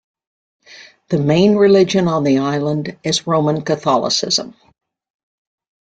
The main religion on the island is Roman Catholicism.